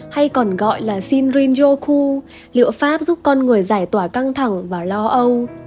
hay còn gọi là shinrin joku liệu pháp giúp con người giải tỏa căng thẳng và lo âu